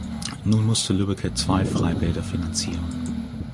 Nun musste Lübbecke zwei Freibäder finanzieren.